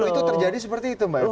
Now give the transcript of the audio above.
kalau itu terjadi seperti itu mbak